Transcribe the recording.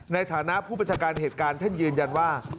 ในฐานะผู้บัญชาการเหตุการณ์ท่านยืนยันว่า